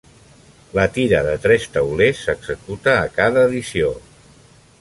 La tira de tres taulers s"executa a cada edició.